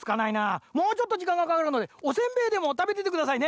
もうちょっとじかんがかかるのでおせんべいでもたべててくださいね。